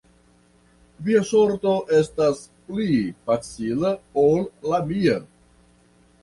Via sorto estas pli facila ol la mia.